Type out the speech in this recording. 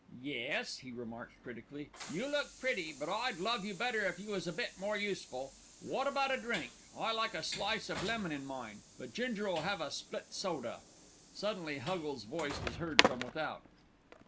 "Yes," he remarked critically, "you look pretty; but I'd love you better if you was a bit more useful. Wot about a drink? I like a slice of lemon in mine; but Ginger'll 'ave a split soda." Suddenly Huggles' voice was heard from without.